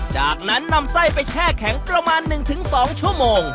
จากนั้นนำไส้ไปแช่แข็งประมาณ๑๒ชั่วโมง